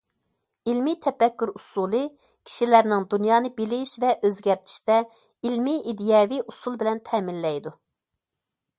ئىلمىي تەپەككۇر ئۇسۇلى كىشىلەرنىڭ دۇنيانى بىلىش ۋە ئۆزگەرتىشتە ئىلمىي ئىدىيەۋى ئۇسۇل بىلەن تەمىنلەيدۇ.